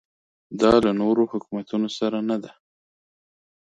دا له نورو حکومتونو سره نه ده.